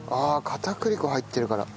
片栗粉入ってるから。